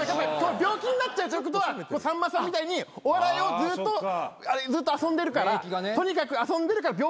病気になっちゃうということはさんまさんみたいにお笑いをずっと遊んでるからとにかく遊んでるから病気にもならないし。